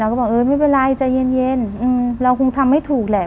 แล้วก็บอกเออไม่เป็นไรใจเย็นเย็นอืมเราคงทำให้ถูกแหละ